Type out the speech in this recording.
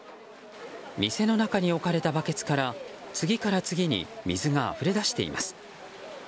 店の中に置かれたバケツから次から次に水があふれ出しています。